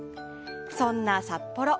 そんな札幌。